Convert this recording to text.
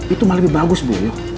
itu malah lebih bagus bu